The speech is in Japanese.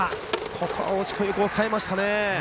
ここは大内君よく抑えましたね。